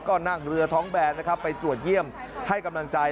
ก็นั่งเรือท้องแบนนะครับไปตรวจเยี่ยมให้กำลังใจ